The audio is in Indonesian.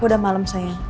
udah malem sayang